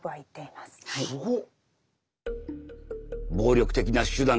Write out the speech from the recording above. すごっ。